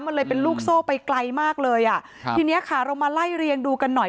มันเลยเป็นลูกโซ่ไปไกลมากเลยอ่ะครับทีเนี้ยค่ะเรามาไล่เรียงดูกันหน่อย